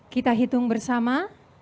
kita hitung bersama